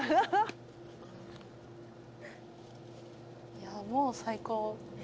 いやあもう最高。